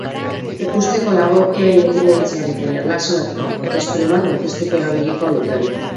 Ikusteko dago ea independentziarekin erlazionatutako testuren bat aurkezteko erabiliko duten.